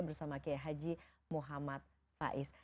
bersama kiai haji muhammad faiz